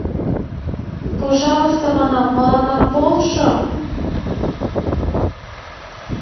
Пожалыста, манам, мыланна полшо.